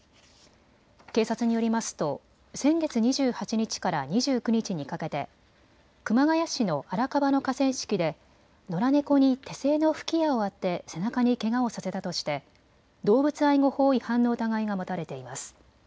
警察によりますと先月２８日から２９日にかけて熊谷市の荒川の河川敷で野良猫に手製の吹き矢を当て背中にけがをさせたとして動物愛護法違反の疑いが持たれています。